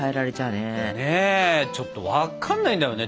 ねえちょっと分かんないんだよね。